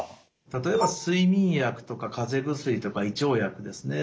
例えば睡眠薬とかかぜ薬とか胃腸薬ですね